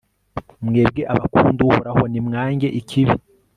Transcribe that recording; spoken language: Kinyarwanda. mwebwe abakunda uhoraho, nimwange ikibi